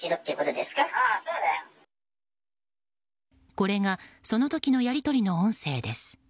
これが、その時のやり取りの音声です。